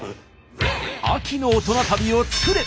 秋の大人旅を作れ！